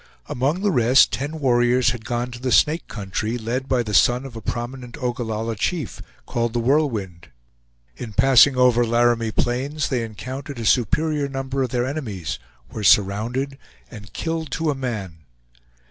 Among the rest, ten warriors had gone to the Snake country, led by the son of a prominent Ogallalla chief, called The Whirlwind. In passing over Laramie Plains they encountered a superior number of their enemies, were surrounded, and killed to a man.